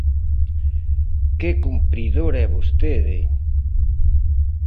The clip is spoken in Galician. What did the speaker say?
¡Que cumpridora é vostede!